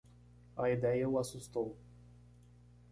A ideia o assustou.